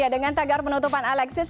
dengan tagar penutupan alexis